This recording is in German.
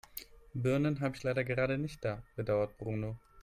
Birnen habe ich leider gerade nicht da, bedauerte Bruno.